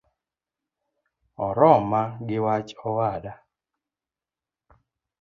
Oroma giwach owada